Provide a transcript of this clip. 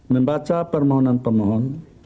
membaca permohonan pemohon